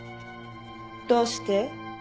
どうして？